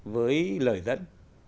với lời dẫn